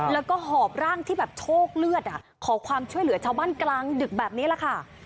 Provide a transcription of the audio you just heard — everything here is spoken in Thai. แล้วก็หอบร่างที่แบบโชคเลือดขอความช่วยเหลือชาวบ้านกลางดึกแบบนี้แหละค่ะ